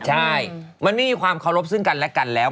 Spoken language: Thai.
ใช่มันไม่มีความเคารพซึ่งกันและกันแล้ว